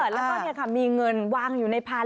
แล้วก็มีเงินวางอยู่ในพัน